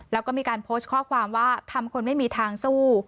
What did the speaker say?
แล้วก็มีการโพสต์ข้อความว่าทำคนไม่มีทางสู้